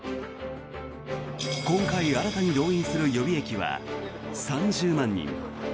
今回、新たに動員する予備役は３０万人。